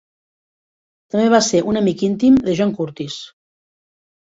També va ser un amic íntim de John Curtis.